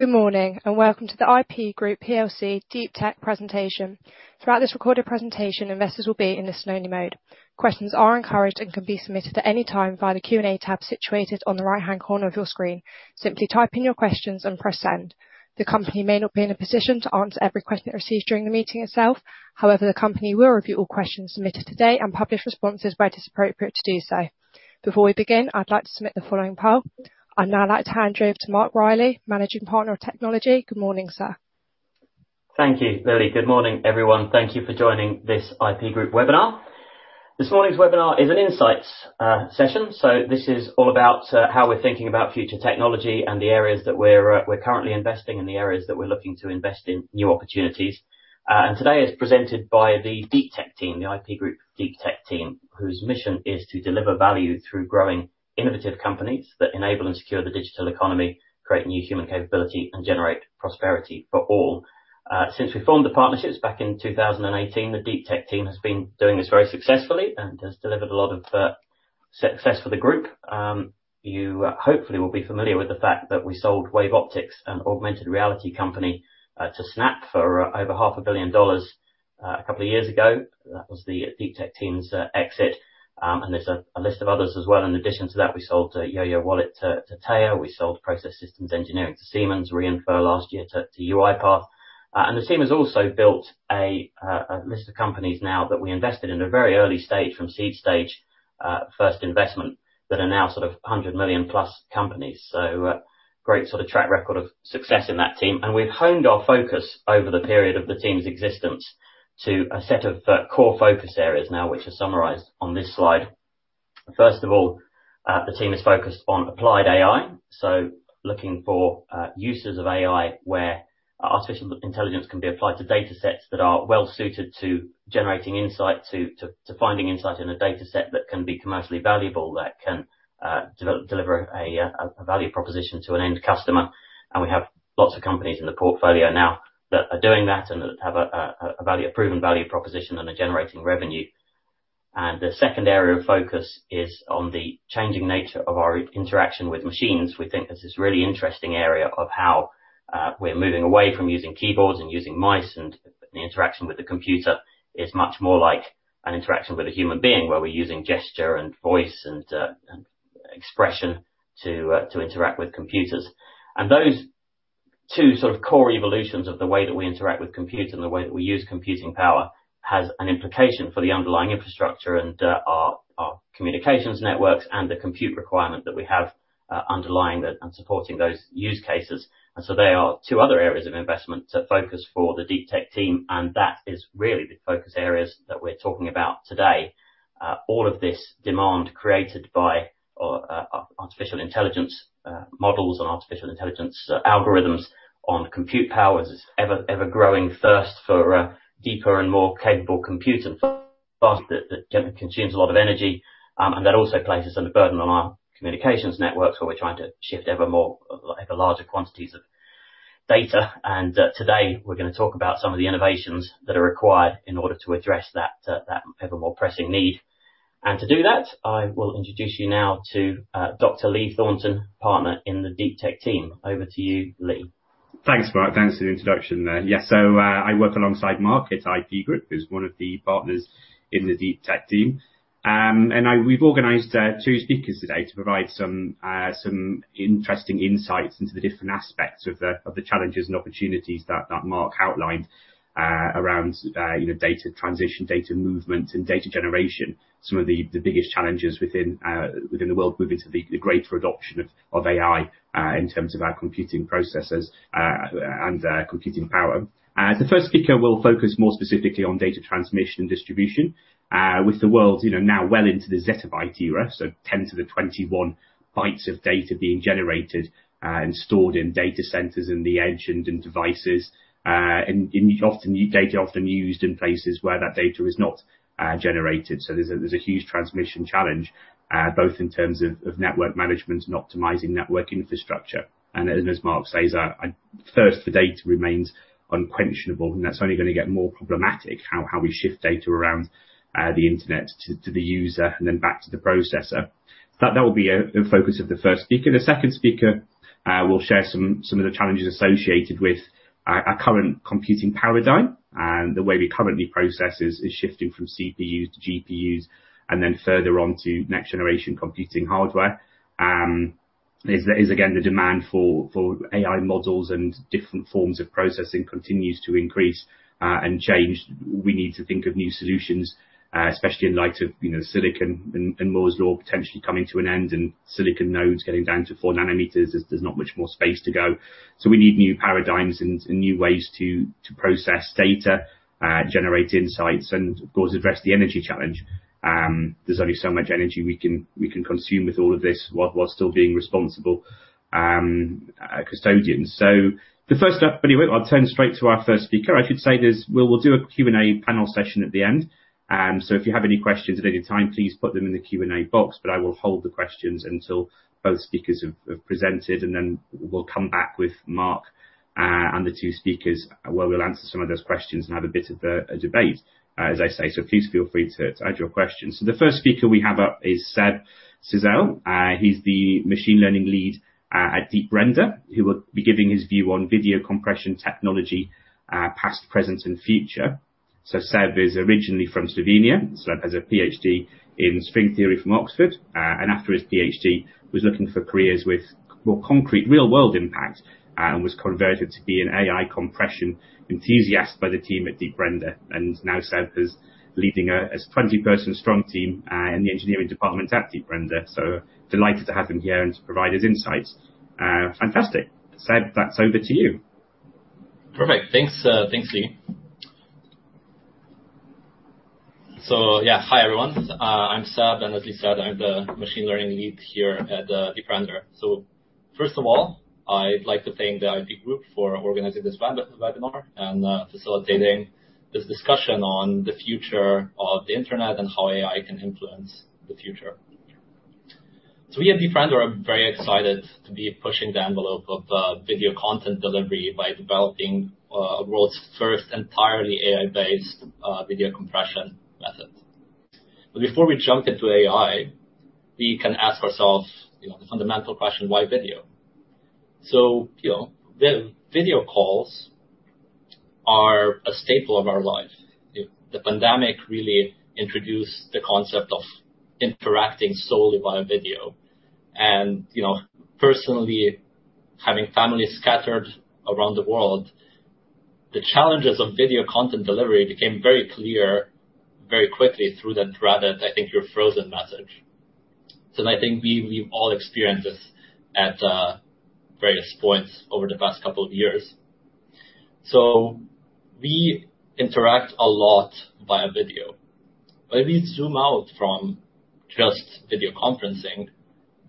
Good morning, and welcome to the IP Group PLC Deeptech Presentation. Throughout this recorded presentation, investors will be in the listen-only mode. Questions are encouraged and can be submitted at any time via the Q&A tab situated on the right-hand corner of your screen. Simply type in your questions and press Send. The company may not be in a position to answer every question it receives during the meeting itself. However, the company will review all questions submitted today and publish responses where it is appropriate to do so. Before we begin, I'd like to submit the following poll. I'd now like to hand you over to Mark Reilly, Managing Partner of Technology. Good morning, sir. Thank you, Lily. Good morning, everyone. Thank you for joining this IP Group webinar. This morning's webinar is an insights session, so this is all about how we're thinking about future technology and the areas that we're currently investing, and the areas that we're looking to invest in new opportunities. And today is presented by the Deeptech team, the IP Group Deeptech team, whose mission is to deliver value through growing innovative companies that enable and secure the digital economy, create new human capability, and generate prosperity for all. Since we formed the partnerships back in 2018, the Deeptech team has been doing this very successfully and has delivered a lot of success for the group. You hopefully will be familiar with the fact that we sold WaveOptics, an augmented reality company, to Snap for over $500 million a couple of years ago. That was the Deeptech team's exit, and there's a list of others as well. In addition to that, we sold Yoyo Wallet to Teya, we sold Process Systems Enterprise to Siemens, Re:infer last year to UiPath. And the team has also built a list of companies now that we invested in a very early stage, from seed stage, first investment, that are now sort of 100 million+ companies. So, great sort of track record of success in that team. We've honed our focus over the period of the team's existence to a set of core focus areas now, which are summarized on this slide. First of all, the team is focused on applied AI, so looking for uses of AI where artificial intelligence can be applied to data sets that are well suited to generating insight to finding insight in a data set that can be commercially valuable, that can deliver a value proposition to an end customer. And we have lots of companies in the portfolio now that are doing that and that have a proven value proposition, and are generating revenue. And the second area of focus is on the changing nature of our interaction with machines. We think there's this really interesting area of how we're moving away from using keyboards and using mice, and the interaction with the computer is much more like an interaction with a human being, where we're using gesture and voice and expression to interact with computers. And those two sort of core evolutions of the way that we interact with compute and the way that we use computing power has an implication for the underlying infrastructure and our communications networks and the compute requirement that we have underlying and supporting those use cases. And so they are two other areas of investment to focus for the Deeptech team, and that is really the focus areas that we're talking about today. All of this demand created by artificial intelligence models and artificial intelligence algorithms on compute power is ever, ever-growing thirst for deeper and more capable compute that consumes a lot of energy. And that also places a burden on our communications networks, where we're trying to shift ever more, ever larger quantities of data. And today, we're gonna talk about some of the innovations that are required in order to address that ever more pressing need. And to do that, I will introduce you now to Dr. Lee Thornton, partner in the Deeptech team. Over to you, Lee. Thanks, Mark. Thanks for the introduction there. Yeah, so I work alongside Mark at IP Group, as one of the partners in the Deeptech team. We've organized two speakers today to provide some interesting insights into the different aspects of the challenges and opportunities that Mark outlined around, you know, data transmission, data movement, and data generation. Some of the biggest challenges within the world moving to the greater adoption of AI in terms of our computing processes and computing power. The first speaker will focus more specifically on data transmission and distribution with the world, you know, now well into the zettabyte era, so 10 to the 21 bytes of data being generated and stored in data centers, in the edge, and in devices. And often data often used in places where that data is not generated. So there's a huge transmission challenge, both in terms of network management and optimizing network infrastructure. And as Mark says, our thirst for data remains unquenchable, and that's only gonna get more problematic, how we shift data around the internet to the user and then back to the processor. But that will be a focus of the first speaker. The second speaker will share some of the challenges associated with our current computing paradigm, and the way we currently process is shifting from CPUs to GPUs, and then further on to next-generation computing hardware. As there is, again, the demand for AI models and different forms of processing continues to increase, and change. We need to think of new solutions, especially in light of, you know, silicon and Moore's Law potentially coming to an end, and silicon nodes getting down to 4nm. There's not much more space to go. We need new paradigms and new ways to process data, generate insights, and, of course, address the energy challenge. There's only so much energy we can consume with all of this, while still being responsible custodians. The first up, anyway, I'll turn straight to our first speaker. I should say we will do a Q&A panel session at the end, so if you have any questions at any time, please put them in the Q&A box, but I will hold the questions until both speakers have presented, and then we'll come back with Mark.And the two speakers, where we'll answer some of those questions and have a bit of a debate, as I say. So please feel free to add your questions. So the first speaker we have up is Seb Cizel. He's the machine learning lead at Deep Render. He will be giving his view on video compression technology, past, present, and future. So Seb is originally from Slovenia. Seb has a PhD in string theory from Oxford, and after his PhD, was looking for careers with more concrete, real-world impact, and was converted to be an AI compression enthusiast by the team at Deep Render. And now Seb is leading a 20-person strong team in the engineering department at Deep Render. So delighted to have him here and to provide his insights. Fantastic! Seb, that's over to you. Perfect. Thanks, thanks, Lee. So yeah, hi, everyone. I'm Seb, and as Lee said, I'm the machine learning lead here at Deep Render. So first of all, I'd like to thank the IP Group for organizing this webinar, and facilitating this discussion on the future of the internet and how AI can influence the future. So we at Deep Render are very excited to be pushing the envelope of video content delivery by developing world's first entirely AI-based video compression method. But before we jump into AI, we can ask ourselves, you know, the fundamental question: why video? So, you know, video calls are a staple of our life. The pandemic really introduced the concept of interacting solely via video, and, you know, personally, having family scattered around the world, the challenges of video content delivery became very clear very quickly through that dreaded, I think, you're frozen, message. So I think we, we've all experienced this at various points over the past couple of years. So we interact a lot via video. When we zoom out from just video conferencing,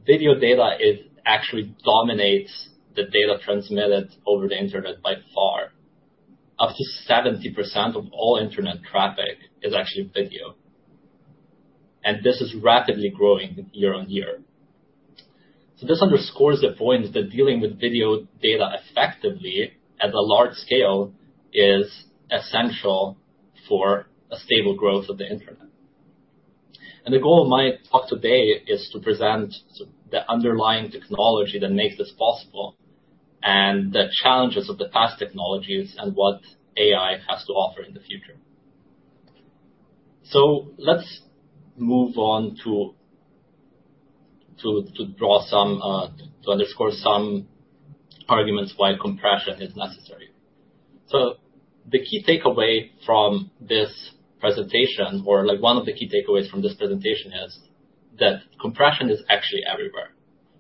video data, it actually dominates the data transmitted over the internet by far. Up to 70% of all internet traffic is actually video, and this is rapidly growing year on year. So this underscores the point that dealing with video data effectively at a large scale is essential for a stable growth of the internet. The goal of my talk today is to present the underlying technology that makes this possible, and the challenges of the past technologies and what AI has to offer in the future. Let's move on to underscore some arguments why compression is necessary. The key takeaway from this presentation, or, like, one of the key takeaways from this presentation is that compression is actually everywhere.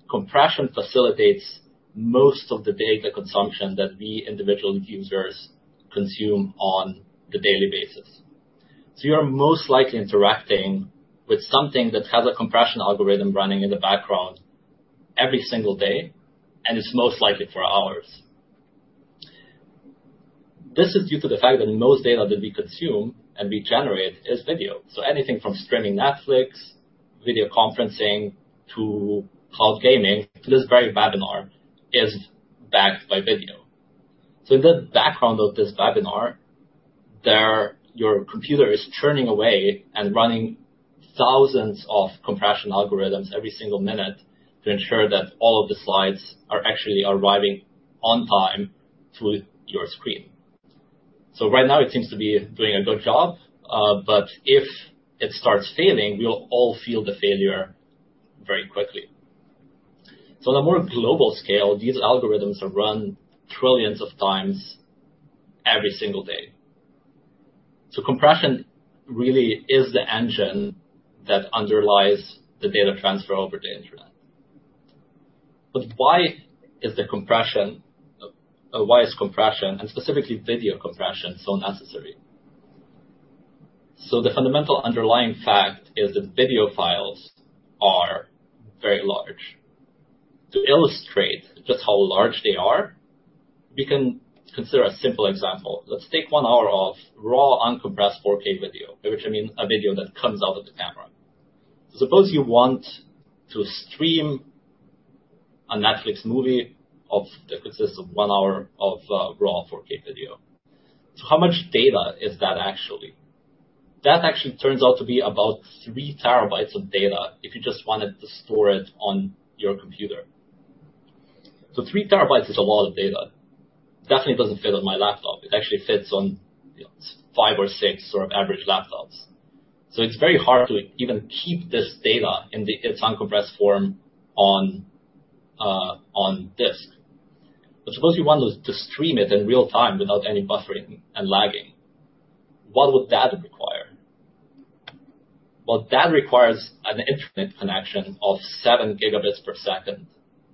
Compression facilitates most of the data consumption that we, individual users, consume on the daily basis. You are most likely interacting with something that has a compression algorithm running in the background every single day, and it's most likely for hours. This is due to the fact that most data that we consume and we generate is video. So anything from streaming Netflix, video conferencing, to cloud gaming, to this very webinar, is backed by video. So in the background of this webinar, there, your computer is churning away and running thousands of compression algorithms every single minute to ensure that all of the slides are actually arriving on time to your screen. So right now it seems to be doing a good job, but if it starts failing, we'll all feel the failure very quickly. So on a more global scale, these algorithms are run trillions of times every single day. So compression really is the engine that underlies the data transfer over the internet. But why is the compression, why is compression, and specifically video compression, so necessary? So the fundamental underlying fact is that video files are very large. To illustrate just how large they are, we can consider a simple example. Let's take one hour of raw, uncompressed 4K video, by which I mean a video that comes out of the camera. Suppose you want to stream a Netflix movie that consists of one hour of raw 4K video. How much data is that actually? That actually turns out to be about 3 TB of data if you just wanted to store it on your computer. 3 TB is a lot of data. Definitely doesn't fit on my laptop. It actually fits on, you know, five or six sort of average laptops. It's very hard to even keep this data in its uncompressed form on disk. Suppose you wanted to stream it in real time without any buffering and lagging, what would that require? Well, that requires an internet connection of 7 Gbps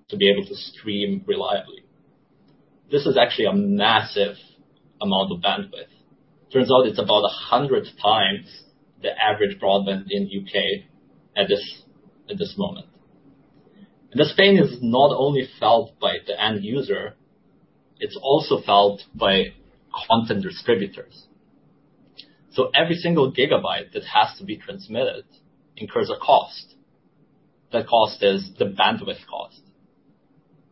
to be able to stream reliably. This is actually a massive amount of bandwidth. Turns out it's about 100x the average broadband in the U.K. at this moment. This pain is not only felt by the end user. It's also felt by content distributors. So every single gigabyte that has to be transmitted incurs a cost. That cost is the bandwidth cost.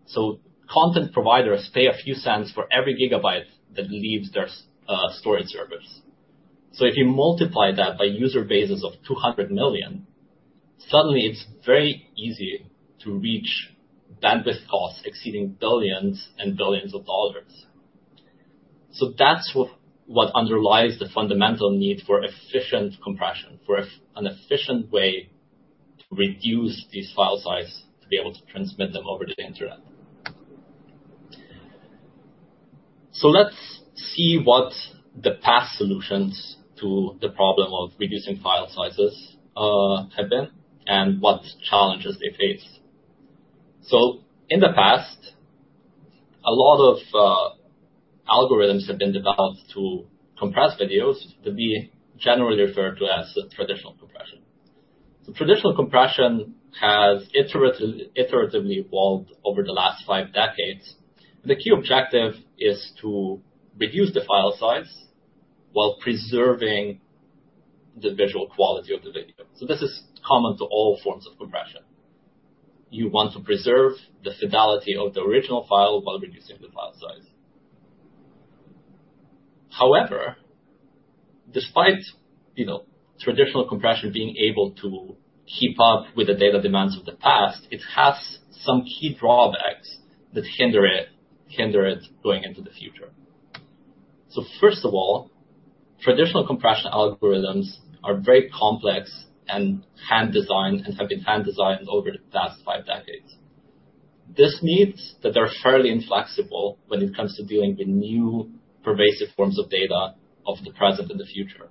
So content providers pay a few cents for every gigabyte that leaves their storage servers. So if you multiply that by user bases of 200 million, suddenly it's very easy to reach bandwidth costs exceeding $billions and billions. So that's what underlies the fundamental need for efficient compression, an efficient way to reduce these file size to be able to transmit them over the internet. Let's see what the past solutions to the problem of reducing file sizes have been and what challenges they face. In the past, a lot of algorithms have been developed to compress videos, generally referred to as traditional compression. Traditional compression has iteratively evolved over the last five decades. The key objective is to reduce the file size while preserving the visual quality of the video. This is common to all forms of compression. You want to preserve the fidelity of the original file while reducing the file size. However, despite, you know, traditional compression being able to keep up with the data demands of the past, it has some key drawbacks that hinder it going into the future. So first of all, traditional compression algorithms are very complex and hand designed, and have been hand designed over the past five decades. This means that they're fairly inflexible when it comes to dealing with new, pervasive forms of data of the present and the future.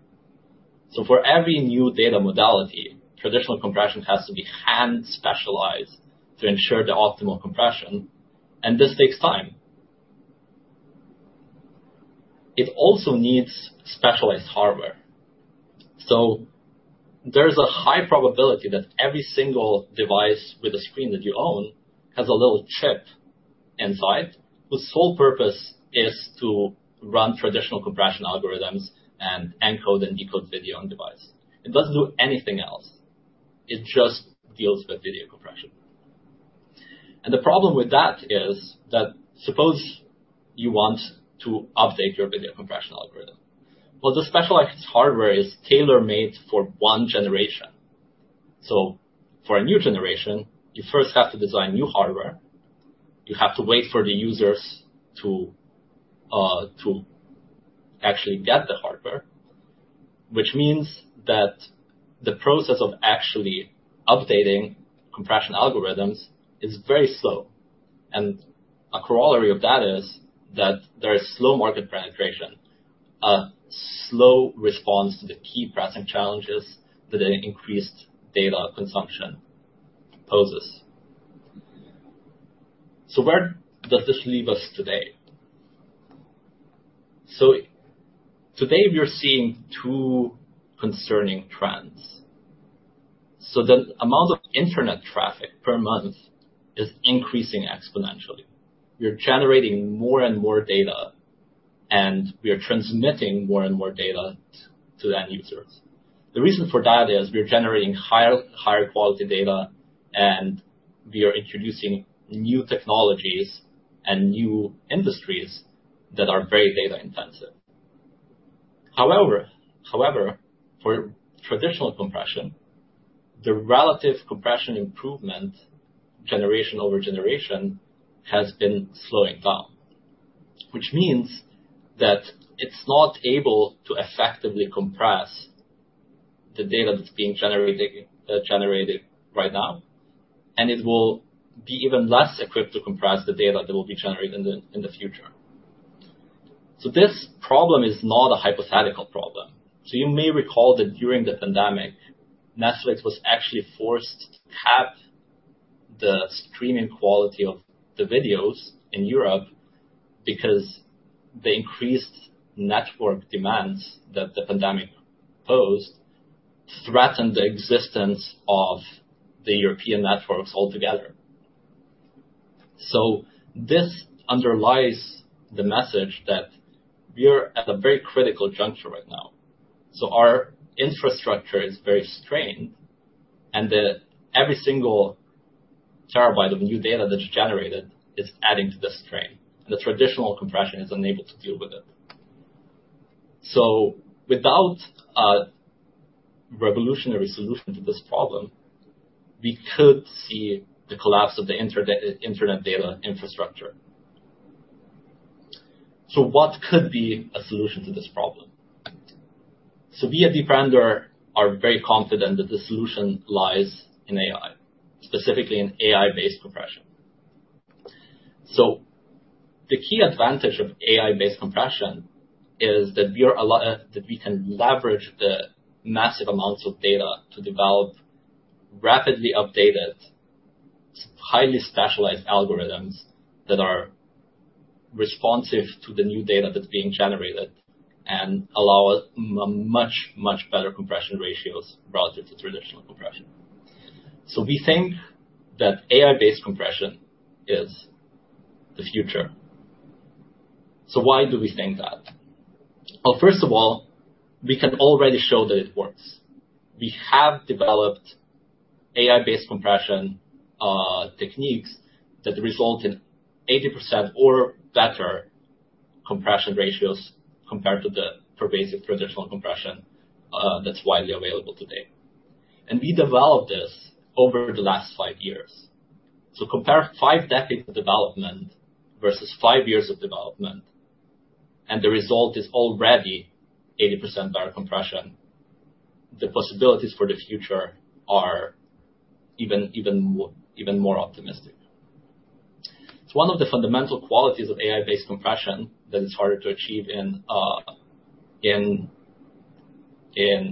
So for every new data modality, traditional compression has to be hand specialized to ensure the optimal compression, and this takes time. It also needs specialized hardware. So there's a high probability that every single device with a screen that you own has a little chip inside, whose sole purpose is to run traditional compression algorithms and encode and decode video on device. It doesn't do anything else. It just deals with video compression. And the problem with that is that suppose you want to update your video compression algorithm. Well, the specialized hardware is tailor-made for one generation. So for a new generation, you first have to design new hardware. You have to wait for the users to actually get the hardware, which means that the process of actually updating compression algorithms is very slow. And a corollary of that is that there is slow market penetration, a slow response to the key pressing challenges that an increased data consumption poses. So where does this leave us today? So today, we are seeing two concerning trends. So the amount of internet traffic per month is increasing exponentially. We're generating more and more data, and we are transmitting more and more data to the end users. The reason for that is we are generating higher, higher quality data, and we are introducing new technologies and new industries that are very data intensive. However, for traditional compression, the relative compression improvement generation over generation has been slowing down, which means that it's not able to effectively compress the data that's being generated, generated right now, and it will be even less equipped to compress the data that will be generated in the future. So this problem is not a hypothetical problem. So you may recall that during the pandemic, Netflix was actually forced to have the streaming quality of the videos in Europe because the increased network demands that the pandemic posed threatened the existence of the European networks altogether. So this underlies the message that we're at a very critical juncture right now. So our infrastructure is very strained, and that every single terabyte of new data that's generated is adding to the strain, and the traditional compression is unable to deal with it. So without a revolutionary solution to this problem, we could see the collapse of the internet data infrastructure. What could be a solution to this problem? We at Deep Render are very confident that the solution lies in AI, specifically in AI-based compression. The key advantage of AI-based compression is that we can leverage the massive amounts of data to develop rapidly updated, highly specialized algorithms that are responsive to the new data that's being generated and allow a much, much better compression ratios relative to traditional compression. We think that AI-based compression is the future. Why do we think that? Well, first of all, we can already show that it works. We have developed AI-based compression techniques that result in 80% or better compression ratios compared to the pervasive traditional compression that's widely available today. We developed this over the last five years. So compare five decades of development versus 5 years of development, and the result is already 80% better compression. The possibilities for the future are even, even more, even more optimistic. So one of the fundamental qualities of AI-based compression that is harder to achieve in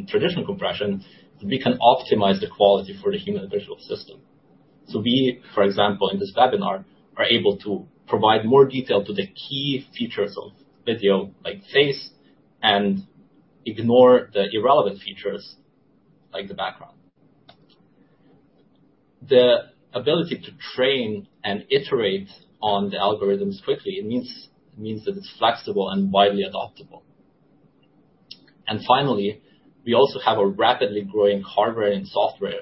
traditional compression, we can optimize the quality for the human visual system. So we, for example, in this webinar, are able to provide more detail to the key features of video, like face, and ignore the irrelevant features, like the background. The ability to train and iterate on the algorithms quickly, it means, it means that it's flexible and widely adoptable. And finally, we also have a rapidly growing hardware and software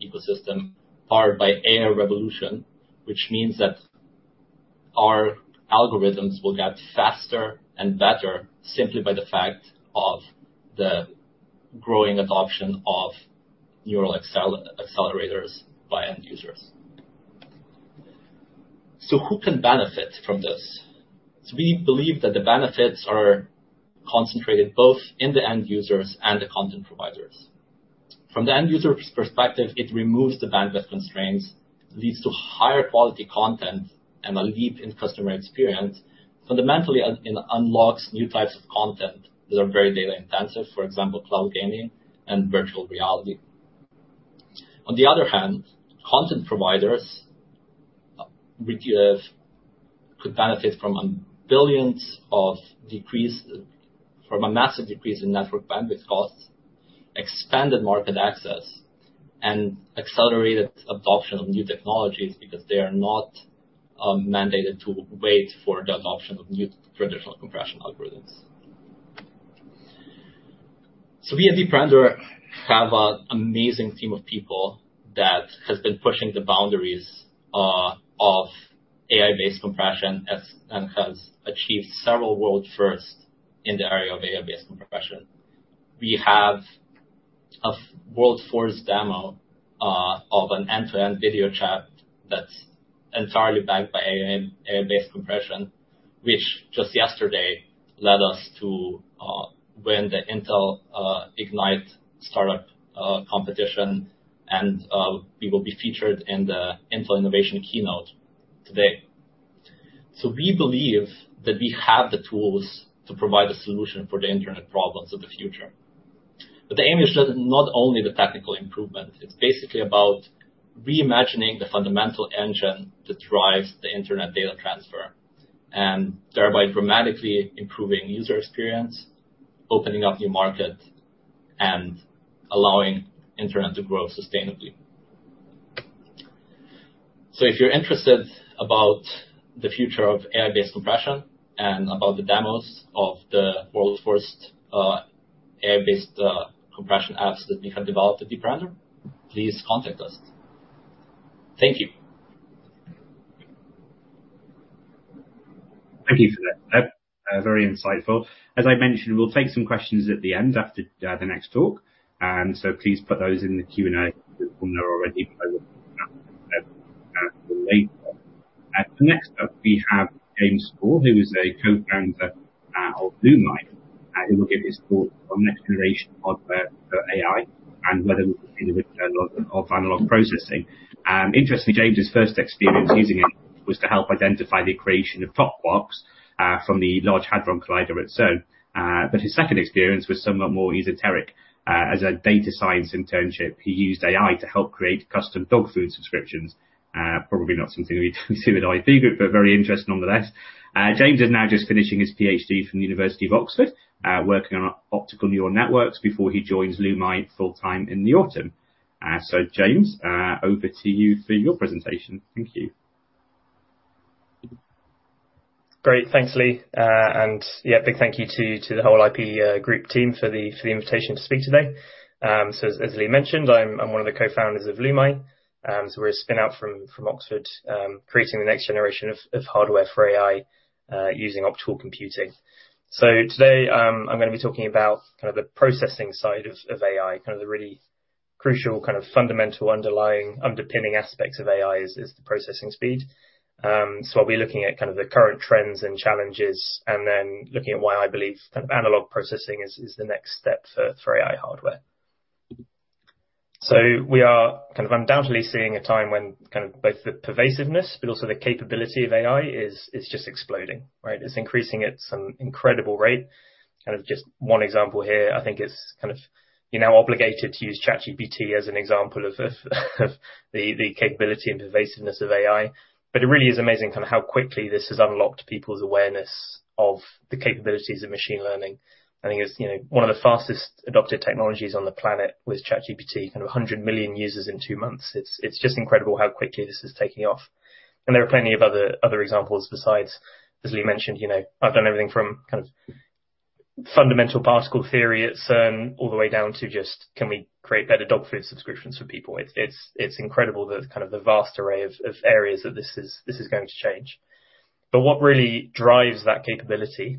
ecosystem, powered by AI revolution, which means that our algorithms will get faster and better simply by the fact of the growing adoption of neural accelerators by end users. So who can benefit from this? So we believe that the benefits are concentrated both in the end users and the content providers. From the end user's perspective, it removes the bandwidth constraints, leads to higher quality content, and a leap in customer experience. Fundamentally, unlocks new types of content that are very data intensive, for example, cloud gaming and virtual reality. On the other hand, content providers could benefit from on billions of decreased...From a massive decrease in network bandwidth costs, expanded market access, and accelerated adoption of new technologies because they are not mandated to wait for the adoption of new traditional compression algorithms. So we at Deep Render have an amazing team of people that has been pushing the boundaries of AI-based compression and has achieved several world firsts in the area of AI-based compression. We have a world's first demo of an end-to-end video chat that's entirely backed by AI, AI-based compression, which just yesterday led us to win the Intel Ignite Startup Competition, and we will be featured in the Intel Innovation keynote today. So we believe that we have the tools to provide a solution for the internet problems of the future. But the aim is just not only the technical improvement, it's basically about reimagining the fundamental engine that drives the internet data transfer, and thereby dramatically improving user experience, opening up new markets, and allowing internet to grow sustainably. So if you're interested about the future of AI-based compression and about the demos of the world's first, AI-based, compression apps that we have developed at Deep Render, please contact us. Thank you. Thank you for that. Very insightful. As I mentioned, we'll take some questions at the end after the next talk. So please put those in the Q&A if you didn't already. Next up, we have James Spall, who is a co-founder of Lumai, and he will give his thought on the next generation of AI, and whether we continue with analog processing. Interestingly, James' first experience using it was to help identify the creation of top quarks from the Large Hadron Collider at CERN. But his second experience was somewhat more esoteric. As a data science internship, he used AI to help create custom dog food subscriptions. Probably not something we do with IP group, but very interesting nonetheless. James is now just finishing his PhD from the University of Oxford, working on optical neural networks before he joins Lumai full-time in the autumn. So James, over to you for your presentation. Thank you. Great. Thanks, Lee. And yeah, big thank you to the whole IP Group team for the invitation to speak today. So as Lee mentioned, I'm one of the co-founders of Lumai. So we're a spin-out from Oxford, creating the next generation of hardware for AI using optical computing. So today, I'm gonna be talking about kind of the processing side of AI, kind of the really crucial, kind of fundamental, underlying, underpinning aspects of AI is the processing speed. So I'll be looking at kind of the current trends and challenges, and then looking at why I believe kind of analog processing is the next step for AI hardware. So we are kind of undoubtedly seeing a time when kind of both the pervasiveness, but also the capability of AI is, is just exploding, right? It's increasing at some incredible rate. Kind of just one example here, I think it's kind of... You're now obligated to use ChatGPT as an example of, of, of the, the capability and pervasiveness of AI. But it really is amazing kind of how quickly this has unlocked people's awareness of the capabilities of machine learning. I think it's, you know, one of the fastest adopted technologies on the planet with ChatGPT, kind of 100 million users in two months. It's, it's just incredible how quickly this is taking off. And there are plenty of other, other examples besides... As Lee mentioned, you know, I've done everything from kind of-... Fundamental particle theory, it's all the way down to just can we create better dog food subscriptions for people? It's incredible, the kind of the vast array of areas that this is going to change. What really drives that capability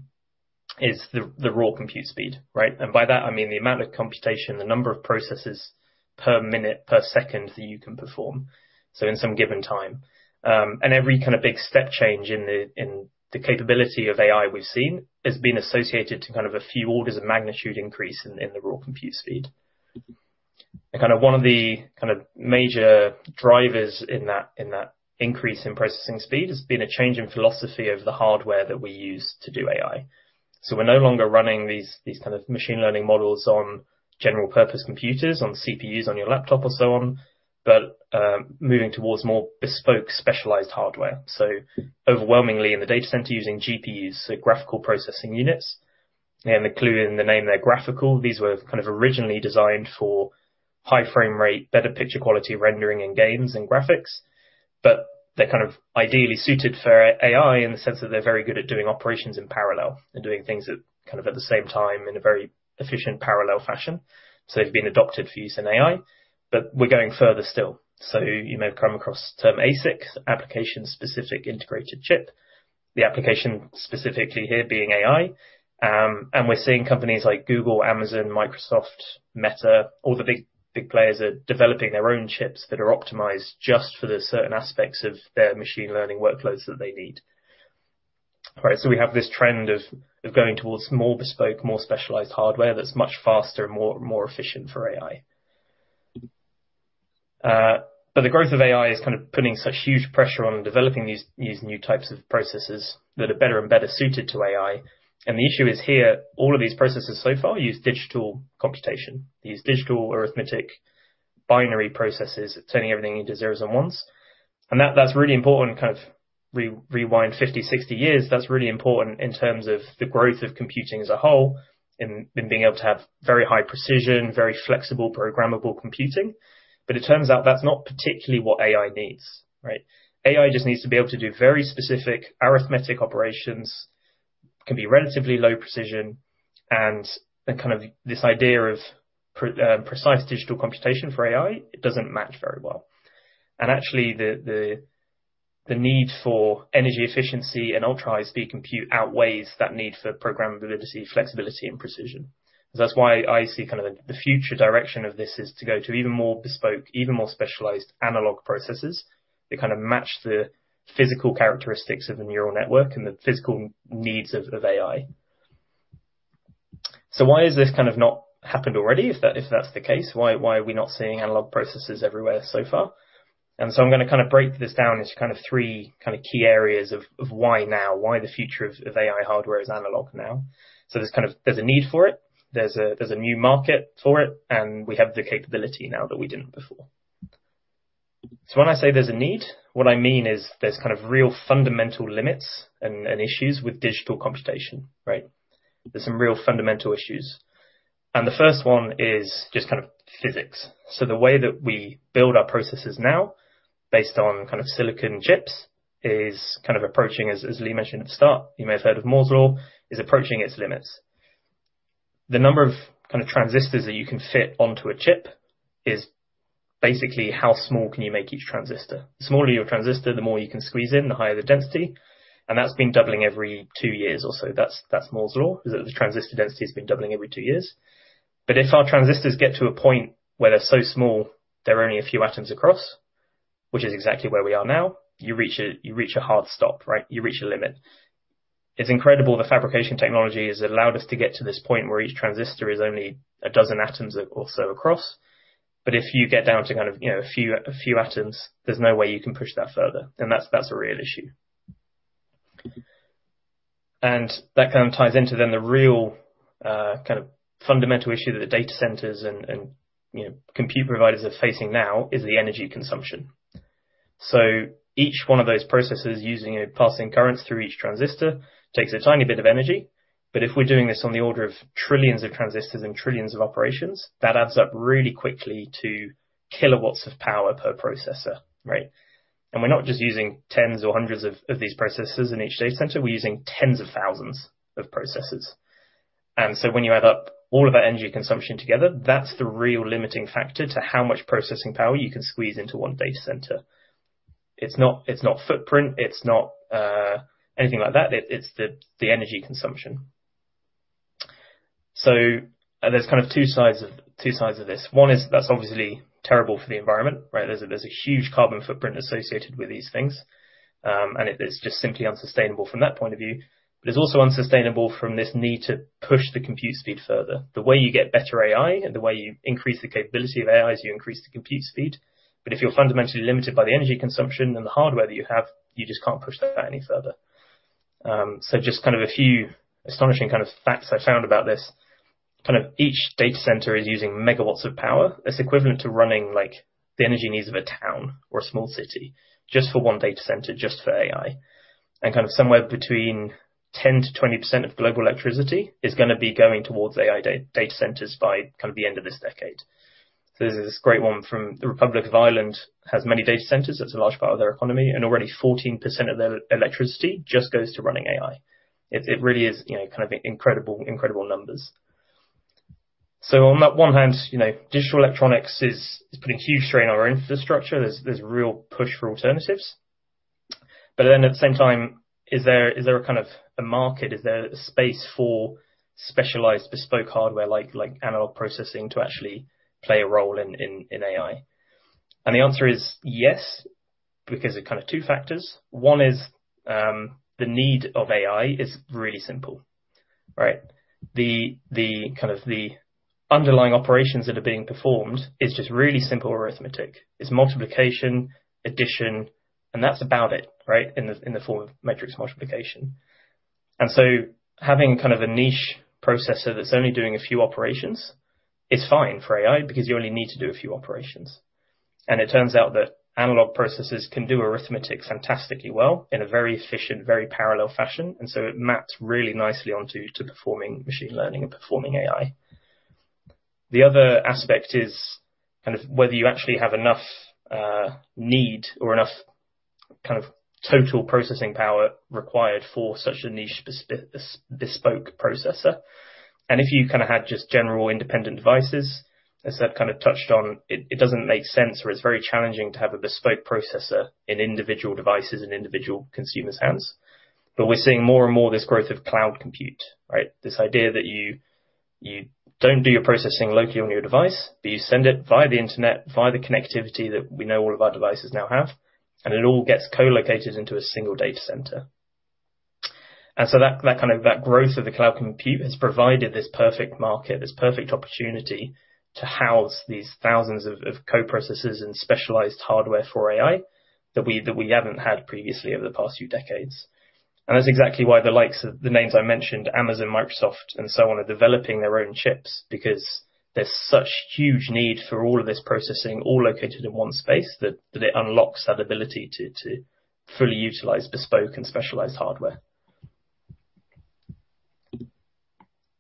is the raw compute speed, right? By that, I mean the amount of computation, the number of processes per minute, per second, that you can perform, so in some given time. Every kind of big step change in the capability of AI we've seen has been associated to a few orders of magnitude increase in the raw compute speed. One of the major drivers in that increase in processing speed has been a change in philosophy of the hardware that we use to do AI.So we're no longer running these, these kind of machine learning models on general purpose computers, on CPUs, on your laptop or so on, but, moving towards more bespoke, specialized hardware. So overwhelmingly, in the data center, using GPUs, so graphical processing units. And including the name, they're graphical. These were kind of originally designed for high frame rate, better picture quality rendering in games and graphics, but they're kind of ideally suited for AI, in the sense that they're very good at doing operations in parallel and doing things at, kind of at the same time, in a very efficient, parallel fashion. So they've been adopted for use in AI, but we're going further still. So you may have come across the term ASIC, application-specific integrated circuit. The application specifically here being AI. We're seeing companies like Google, Amazon, Microsoft, Meta, all the big players are developing their own chips that are optimized just for the certain aspects of their machine learning workloads that they need. All right, so we have this trend of going towards more bespoke, more specialized hardware that's much faster and more efficient for AI. But the growth of AI is kind of putting such huge pressure on developing these new types of processes that are better and better suited to AI. And the issue is here, all of these processes so far use digital computation. These digital arithmetic, binary processes, turning everything into zeros and ones, and that's really important. Kind of rewind 50, 60 years, that's really important in terms of the growth of computing as a whole, in being able to have very high precision, very flexible, programmable computing. But it turns out that's not particularly what AI needs, right? AI just needs to be able to do very specific arithmetic operations, can be relatively low precision, and the kind of this idea of precise digital computation for AI, it doesn't match very well. And actually, the need for energy efficiency and ultra-high speed compute outweighs that need for programmability, flexibility, and precision. So that's why I see kind of the future direction of this is to go to even more bespoke, even more specialized analog processes, that kind of match the physical characteristics of the neural network and the physical needs of AI. So why is this kind of not happened already? If that, if that's the case, why, why are we not seeing analog processes everywhere so far? And so I'm gonna kind of break this down into kind of three kind of key areas of, of why now, why the future of, of AI hardware is analog now. So there's kind of, there's a need for it, there's a, there's a new market for it, and we have the capability now that we didn't before. So when I say there's a need, what I mean is, there's kind of real fundamental limits and, and issues with digital computation, right? There's some real fundamental issues, and the first one is just kind of physics. So the way that we build our processes now, based on kind of silicon chips, is kind of approaching, as, as Lee mentioned at the start, you may have heard of Moore's Law, is approaching its limits. The number of kind of transistors that you can fit onto a chip is basically how small can you make each transistor? The smaller your transistor, the more you can squeeze in, the higher the density, and that's been doubling every two years or so. That's, that's Moore's Law, is that the transistor density has been doubling every two years. But if our transistors get to a point where they're so small, they're only a few atoms across, which is exactly where we are now, you reach a, you reach a hard stop, right? You reach a limit.It's incredible, the fabrication technology has allowed us to get to this point where each transistor is only a dozen atoms or so across. But if you get down to kind of, you know, a few atoms, there's no way you can push that further, and that's a real issue. And that kind of ties into then the real, kind of fundamental issue that the data centers and, and, you know, compute providers are facing now, is the energy consumption. So each one of those processes using a passing current through each transistor, takes a tiny bit of energy, but if we're doing this on the order of trillions of transistors and trillions of operations, that adds up really quickly to kilowatts of power per processor, right? We're not just using tens or hundreds of these processors in each data center, we're using tens of thousands of processors. And so when you add up all of that energy consumption together, that's the real limiting factor to how much processing power you can squeeze into one data center. It's not, it's not footprint, it's not anything like that. It's the energy consumption. So there's kind of two sides of this. One is, that's obviously terrible for the environment, right? There's a huge carbon footprint associated with these things, and it's just simply unsustainable from that point of view. But it's also unsustainable from this need to push the compute speed further. The way you get better AI and the way you increase the capability of AI is you increase the compute speed. But if you're fundamentally limited by the energy consumption and the hardware that you have, you just can't push that any further. So just kind of a few astonishing kind of facts I found about this. Kind of each data center is using megawatts of power. It's equivalent to running, like, the energy needs of a town or a small city, just for one data center, just for AI. And kind of somewhere between 10%-20% of global electricity is gonna be going towards AI data centers by kind of the end of this decade.... There's this great one from the Republic of Ireland, has many data centers. That's a large part of their economy, and already 14% of their electricity just goes to running AI. It, it really is, you know, kind of incredible, incredible numbers. So on that one hand, you know, digital electronics is putting huge strain on our infrastructure. There's real push for alternatives. But then at the same time, is there a kind of a market? Is there a space for specialized bespoke hardware like analog processing to actually play a role in AI? And the answer is yes, because of kind of two factors. One is the need of AI is really simple, right? The kind of the underlying operations that are being performed is just really simple arithmetic. It's multiplication, addition, and that's about it, right? In the form of matrix multiplication. And so having kind of a niche processor that's only doing a few operations is fine for AI, because you only need to do a few operations.It turns out that analog processors can do arithmetic fantastically well in a very efficient, very parallel fashion, and so it maps really nicely onto performing machine learning and performing AI. The other aspect is kind of whether you actually have enough need or enough kind of total processing power required for such a niche bespoke processor. If you kind of had just general independent devices, as I've kind of touched on, it doesn't make sense, or it's very challenging to have a bespoke processor in individual devices, in individual consumers' hands. But we're seeing more and more this growth of cloud compute, right? This idea that you, you don't do your processing locally on your device, but you send it via the internet, via the connectivity that we know all of our devices now have, and it all gets co-located into a single data center. And so that, that kind of, that growth of the cloud compute has provided this perfect market, this perfect opportunity to house these thousands of, of co-processors and specialized hardware for AI, that we, that we haven't had previously over the past few decades. And that's exactly why the likes of the names I mentioned, Amazon, Microsoft, and so on, are developing their own chips, because there's such huge need for all of this processing, all located in one space, that, that it unlocks that ability to, to fully utilize bespoke and specialized hardware.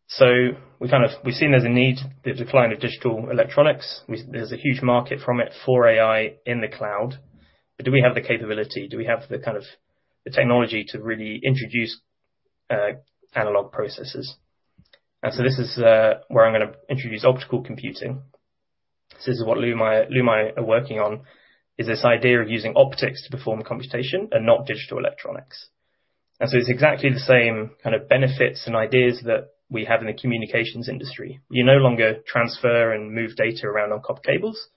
So we kind of-- we've seen there's a need, the decline of digital electronics. There's a huge market from it for AI in the cloud, but do we have the capability? Do we have the kind of the technology to really introduce analog processors? And so this is where I'm gonna introduce optical computing. This is what Lumai are working on, is this idea of using optics to perform computation and not digital electronics. And so it's exactly the same kind of benefits and ideas that we have in the communications industry. You no longer transfer and move data around on copper cables.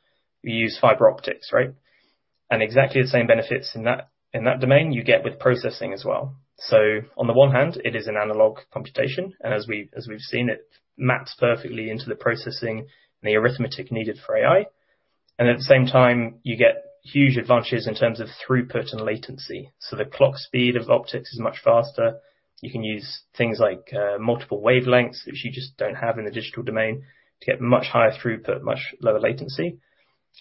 You use fiber optics, right? And exactly the same benefits in that, in that domain, you get with processing as well. So on the one hand, it is an analog computation, and as we've seen, it maps perfectly into the processing and the arithmetic needed for AI.And at the same time, you get huge advantages in terms of throughput and latency. So the clock speed of optics is much faster. You can use things like multiple wavelengths, which you just don't have in the digital domain, to get much higher throughput, much lower latency.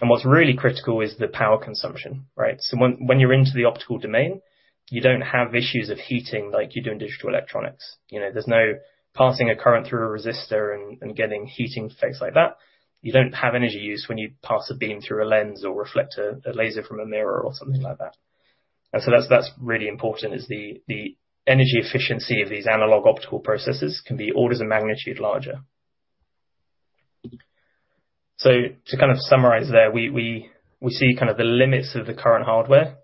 And what's really critical is the power consumption, right? So when you're into the optical domain, you don't have issues of heating like you do in digital electronics. You know, there's no passing a current through a resistor and getting heating effects like that. You don't have energy use when you pass a beam through a lens or reflect a laser from a mirror or something like that. And so that's really important, is the energy efficiency of these analog optical processes can be orders of magnitude larger. So to kind of summarize there, we see kind of the limits of the current hardware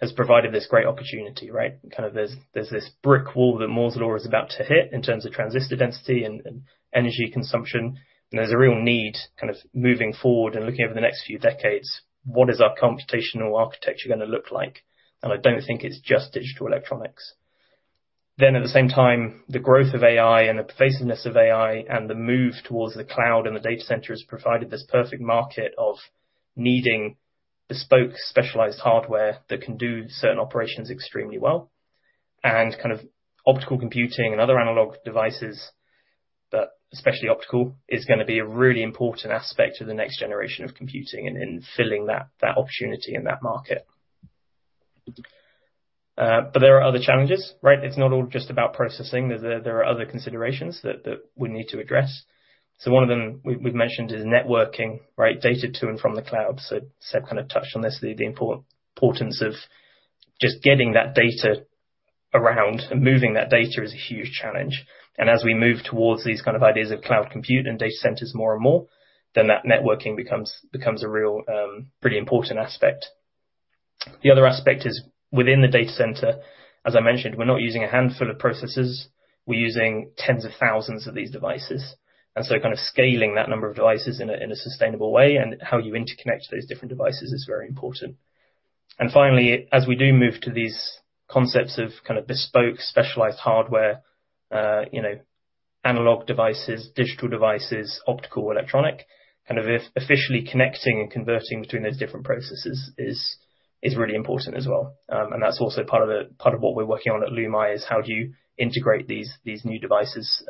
has provided this great opportunity, right? Kind of there's this brick wall that Moore's Law is about to hit in terms of transistor density and energy consumption. And there's a real need, kind of moving forward and looking over the next few decades, what is our computational architecture gonna look like? And I don't think it's just digital electronics. Then at the same time, the growth of AI and the pervasiveness of AI and the move towards the cloud and the data center has provided this perfect market of needing bespoke, specialized hardware that can do certain operations extremely well. Kind of optical computing and other analog devices, but especially optical, is gonna be a really important aspect of the next generation of computing and in filling that opportunity in that market. But there are other challenges, right? It's not all just about processing. There are other considerations that we need to address. So one of them, we've mentioned, is networking, right? Data to and from the cloud. So Seb kind of touched on this, the importance of just getting that data around and moving that data is a huge challenge. And as we move towards these kind of ideas of cloud compute and data centers more and more, then that networking becomes a real pretty important aspect. The other aspect is within the data center, as I mentioned, we're not using a handful of processors, we're using tens of thousands of these devices, and so kind of scaling that number of devices in a sustainable way and how you interconnect those different devices is very important. And finally, as we do move to these concepts of kind of bespoke, specialized hardware, you know, analog devices, digital devices, optical, electronic, kind of efficiently connecting and converting between those different processes is really important as well. And that's also part of the, part of what we're working on at Lumai, is how do you integrate these new devices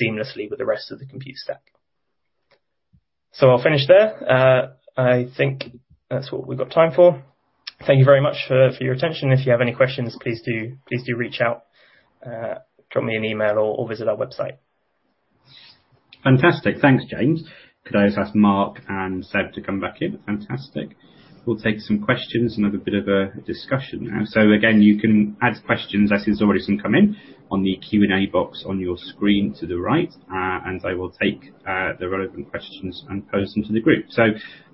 seamlessly with the rest of the compute stack? So I'll finish there. I think that's what we've got time for. Thank you very much for your attention. If you have any questions, please do reach out, drop me an email, or visit our website. Fantastic. Thanks, James. Could I just ask Mark and Seb to come back in? Fantastic. We'll take some questions and have a bit of a discussion now. So again, you can add questions. I see there's already some come in, on the Q&A box on your screen to the right, and I will take the relevant questions and pose them to the group. So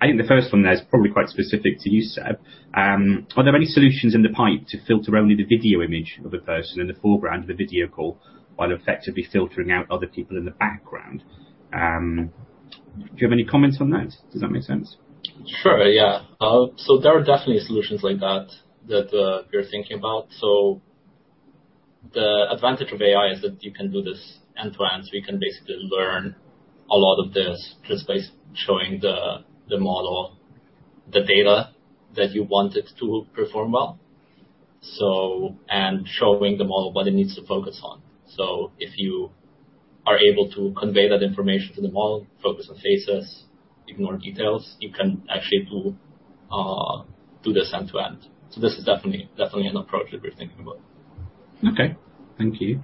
I think the first one there is probably quite specific to you, Seb. Are there any solutions in the pipe to filter only the video image of a person in the foreground of a video call, while effectively filtering out other people in the background? Do you have any comments on that? Does that make sense? Sure, yeah. So there are definitely solutions like that that we're thinking about. So the advantage of AI is that you can do this end to end. We can basically learn a lot of this just by showing the model the data that you want it to perform well, so... And showing the model what it needs to focus on. So if you are able to convey that information to the model, focus on faces, ignore details, you can actually do this end to end. So this is definitely, definitely an approach that we're thinking about. Okay, thank you.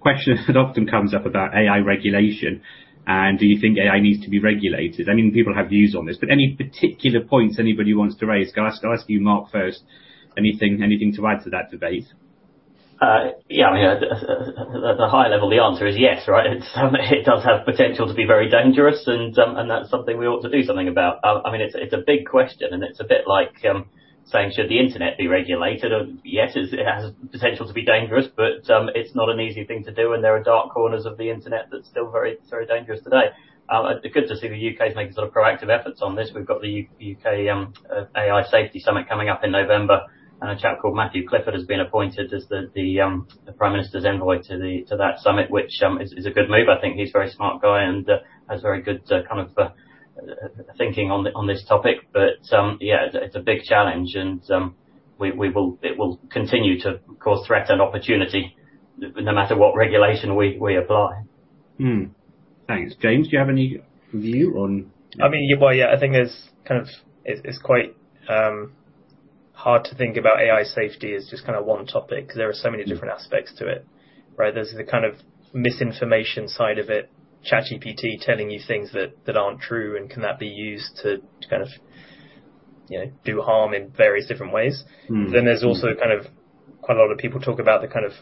Question that often comes up about AI regulation, and do you think AI needs to be regulated? I mean, people have views on this, but any particular points anybody wants to raise? Can I ask you, Mark, first, anything, anything to add to that debate? Yeah, I mean, at the high level, the answer is yes, right? It does have potential to be very dangerous, and that's something we ought to do something about. I mean, it's a big question, and it's a bit like saying, should the internet be regulated? And yes, it has potential to be dangerous, but it's not an easy thing to do, and there are dark corners of the internet that's still very, very dangerous today. It's good to see the U.K. is making sort of proactive efforts on this. We've got the UK AI Safety Summit coming up in November, and a chap called Matthew Clifford has been appointed as the Prime Minister's envoy to that summit, which is a good move.I think he's a very smart guy and has very good kind of thinking on this topic. But yeah, it's a big challenge, and it will continue to cause threat and opportunity no matter what regulation we apply. Thanks. James, do you have any view on...? I mean, yeah, well, yeah, I think it's kind of... It's quite hard to think about AI safety as just kind of one topic, because there are so many different aspects to it, right? There's the kind of misinformation side of it, ChatGPT telling you things that aren't true, and can that be used to kind of, you know, do harm in various different ways. Mm-hmm. Then there's also kind of quite a lot of people talk about the kind of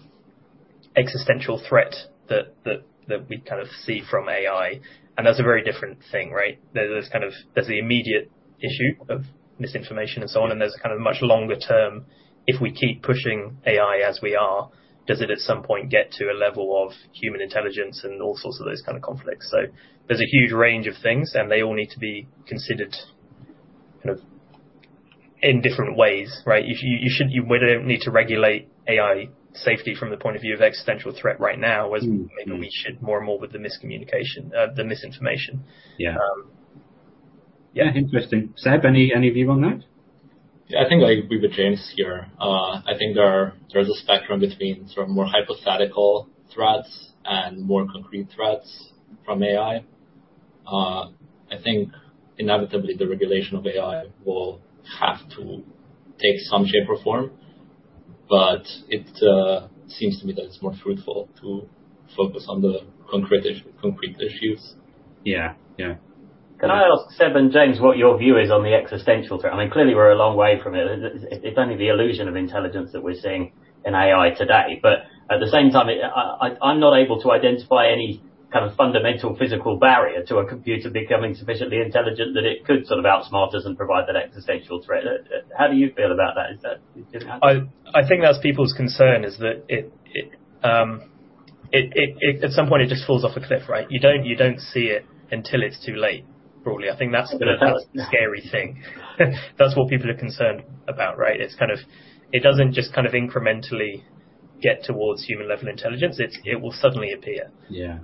existential threat that we kind of see from AI, and that's a very different thing, right? There's kind of the immediate issue of misinformation and so on, and there's kind of much longer term, if we keep pushing AI as we are, does it at some point get to a level of human intelligence and all sorts of those kind of conflicts? So there's a huge range of things, and they all need to be considered kind of in different ways, right? If you you should- you wouldn't need to regulate AI safety from the point of view of existential threat right now- Mm-hmm. Whereas maybe we should more and more with the miscommunication, the misinformation. Yeah. Um- Yeah, interesting. Seb, any view on that? Yeah, I think I agree with James here. I think there, there's a spectrum between sort of more hypothetical threats and more concrete threats from AI. I think inevitably, the regulation of AI will have to take some shape or form, but it seems to me that it's more fruitful to focus on the concrete issues. Yeah. Yeah. Can I ask Seb and James what your view is on the existential threat? I mean, clearly, we're a long way from it. It's only the illusion of intelligence that we're seeing in AI today. But at the same time, I'm not able to identify any kind of fundamental physical barrier to a computer becoming sufficiently intelligent that it could sort of outsmart us and provide that existential threat. How do you feel about that? Is that... I think that's people's concern, is that it at some point, it just falls off a cliff, right? You don't see it until it's too late, broadly. I think that's the- Yeah. Scary thing. That's what people are concerned about, right? It's kind of... It doesn't just kind of incrementally get towards human-level intelligence. It's- it will suddenly appear. Yeah.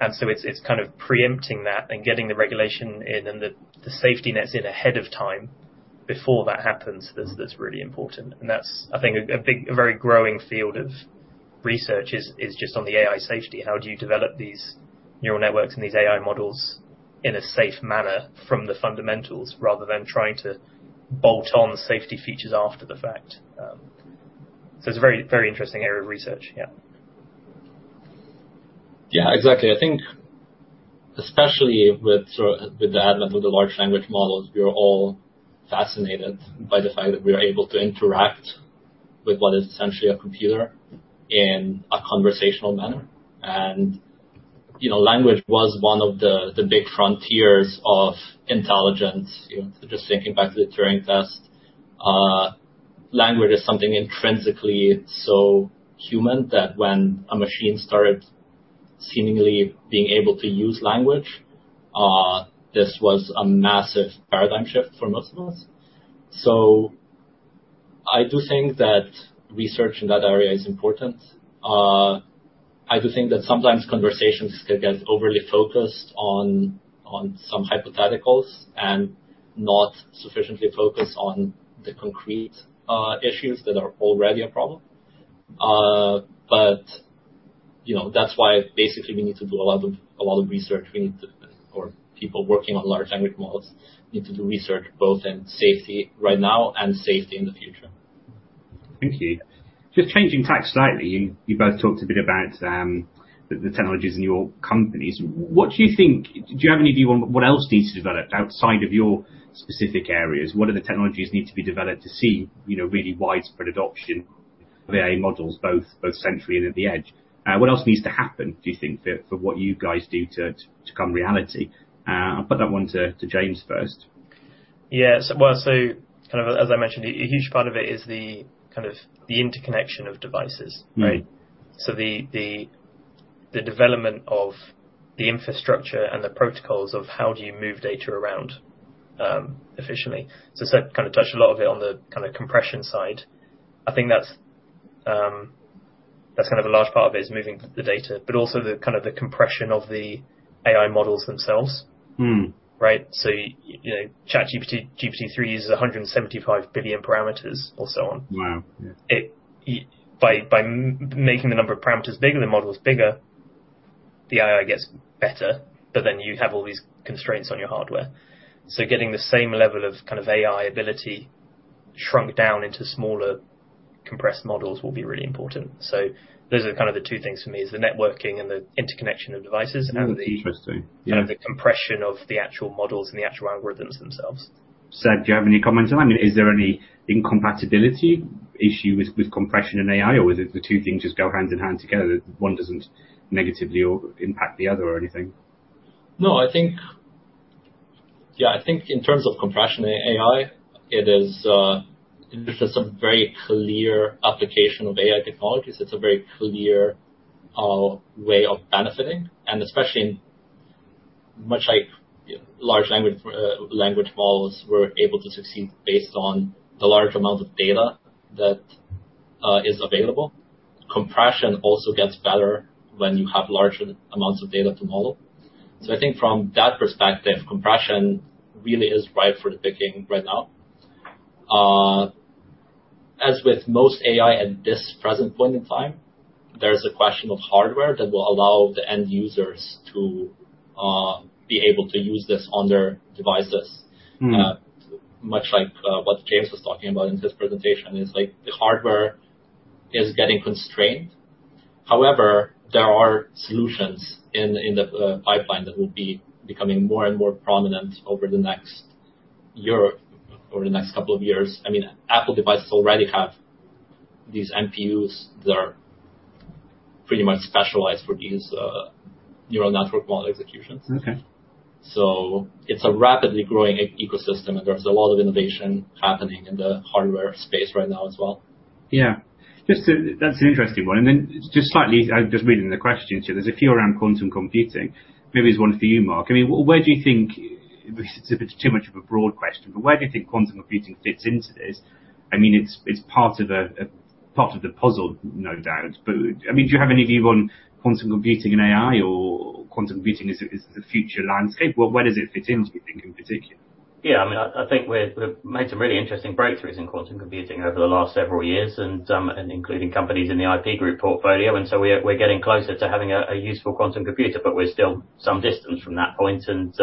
And so it's, it's kind of preempting that and getting the regulation in and the, the safety nets in ahead of time before that happens, that's, that's really important. And that's, I think, a big, very growing field of research is just on the AI safety. How do you develop these neural networks and these AI models in a safe manner from the fundamentals, rather than trying to bolt on safety features after the fact? So it's a very, very interesting area of research. Yeah. Yeah, exactly. I think especially with sort of, with the advent of the large language models, we are all fascinated by the fact that we are able to interact with what is essentially a computer in a conversational manner. And, you know, language was one of the big frontiers of intelligence. You know, just thinking back to the Turing Test, language is something intrinsically so human that when a machine started seemingly being able to use language, this was a massive paradigm shift for most of us. So I do think that research in that area is important. I do think that sometimes conversations can get overly focused on some hypotheticals and not sufficiently focused on the concrete issues that are already a problem. You know, that's why basically we need to do a lot of, a lot of research. People working on Large Language Models need to do research both in safety right now and safety in the future. Thank you. Just changing track slightly, you both talked a bit about the technologies in your companies. What do you think? Do you have any view on what else needs to be developed outside of your specific areas? What are the technologies need to be developed to see, you know, really widespread adoption of AI models, both century and at the edge? What else needs to happen, do you think, for what you guys do to become reality? I'll put that one to James first. Yes. Well, so kind of as I mentioned, a huge part of it is the kind of the interconnection of devices, right? Mm. So the development of the infrastructure and the protocols of how do you move data around efficiently. So I said, kind of touched a lot of it on the kinda compression side. I think that's kind of a large part of it, is moving the data, but also the kind of the compression of the AI models themselves. Hmm. Right? So, you know, ChatGPT, GPT-3 uses 175 billion parameters or so on. Wow! Yeah. By making the number of parameters bigger, the model is bigger, the AI gets better, but then you have all these constraints on your hardware. So getting the same level of kind of AI ability shrunk down into smaller compressed models will be really important. So those are kind of the two things for me, is the networking and the interconnection of devices and the- Interesting. Yeah. Kind of the compression of the actual models and the actual algorithms themselves. Seb, do you have any comments on that? I mean, is there any incompatibility issue with, with compression and AI, or is it the two things just go hand in hand together, that one doesn't negatively or impact the other or anything? No, I think. Yeah, I think in terms of compression and AI, it is. This is a very clear application of AI technologies. It's a very clear way of benefiting, and especially in much like large language models were able to succeed based on the large amount of data that is available. Compression also gets better when you have larger amounts of data to model. So I think from that perspective, compression really is ripe for the picking right now. As with most AI at this present point in time, there is a question of hardware that will allow the end users to be able to use this on their devices. Hmm. Much like what James was talking about in his presentation, is like, the hardware is getting constrained. However, there are solutions in the pipeline that will be becoming more and more prominent over the next year or the next couple of years. I mean, Apple devices already have these NPUs that are pretty much specialized for these neural network model executions. Okay. It's a rapidly growing e-ecosystem, and there's a lot of innovation happening in the hardware space right now as well. Yeah. Just to... That's an interesting one, and then just slightly, I'm just reading the questions, so there's a few around Quantum Computing. Maybe it's one for you, Mark. I mean, where do you think, if it's too much of a broad question, but where do you think Quantum Computing fits into this? I mean, it's, it's part of the, part of the puzzle, no doubt. But, I mean, do you have any view on Quantum Computing and AI or Quantum Computing as, as the future landscape? Well, where does it fit in, do you think, in particular? Yeah, I mean, I think we've made some really interesting breakthroughs in quantum computing over the last several years, and including companies in the IP Group portfolio, and so we are- we're getting closer to having a useful quantum computer, but we're still some distance from that point. And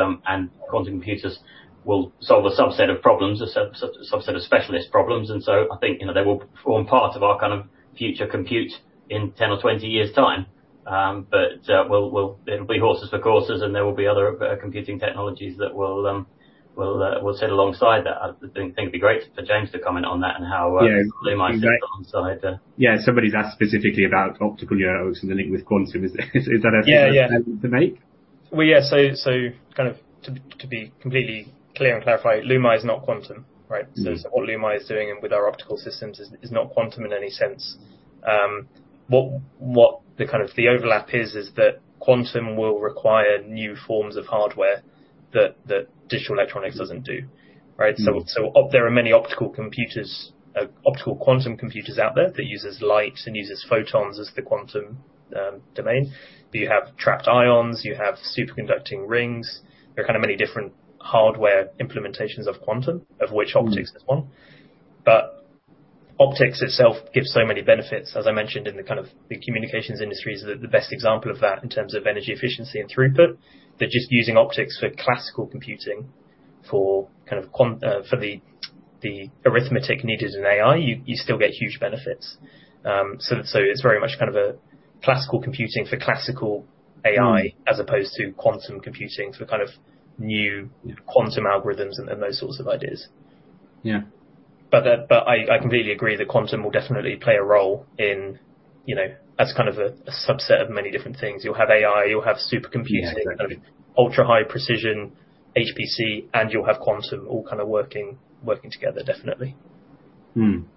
quantum computers will solve a subset of problems, a subset of specialist problems, and so I think, you know, they will form part of our kind of future compute in 10 or 20 years time. But we'll-- it'll be horses for courses, and there will be other computing technologies that will sit alongside that. I think it'd be great for James to comment on that and how- Yeah Lumai is on the side. Yeah, somebody's asked specifically about optical neurons and the link with quantum. Is that a— Yeah, yeah to make? Well, yeah, so kind of, to be completely clear and clarify, Lumai is not quantum, right? Mm. So what Lumai is doing with our optical systems is not quantum in any sense. What the kind of overlap is, is that quantum will require new forms of hardware that digital electronics doesn't do, right? Mm. So, there are many optical computers, optical quantum computers out there that uses light and uses photons as the quantum, domain. But you have trapped ions, you have superconducting rings. There are kind of many different hardware implementations of quantum, of which optics- Mm Is one. But optics itself gives so many benefits, as I mentioned, in the kind of the communications industry is the best example of that, in terms of energy efficiency and throughput. That just using optics for classical computing, for the arithmetic needed in AI, you still get huge benefits. So it's very much kind of a classical computing for classical AI- Mm As opposed to quantum computing, for kind of new quantum algorithms and those sorts of ideas. Yeah. But I completely agree that quantum will definitely play a role in, you know, as kind of a subset of many different things. You'll have AI, you'll have supercomputing- Yeah, exactly Ultra-high precision HPC, and you'll have quantum all kind of working, working together, definitely. Hmm. Do